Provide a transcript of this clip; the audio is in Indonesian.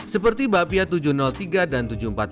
seperti bapia tujuh ratus tiga dan tujuh ratus empat puluh